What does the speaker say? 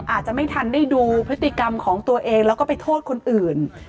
อาจจะไม่ทันได้ดูพฤติกรรมของตัวเองแล้วก็ไปโทษคนอื่น